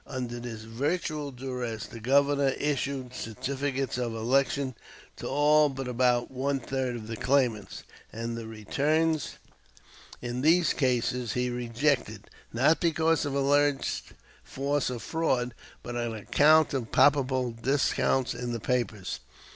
Under this virtual duress the Governor issued certificates of election to all but about one third of the claimants; and the returns in these cases he rejected, not because of alleged force or fraud, but on account of palpable defects in the papers.